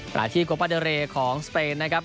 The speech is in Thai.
ไปที่โกป้าเดอร์เรของสเปนนะครับ